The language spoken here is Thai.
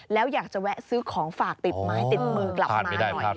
แล้วอยากจะแวะซื้อของฝากติดไม้ติดมือกลับมาหน่อย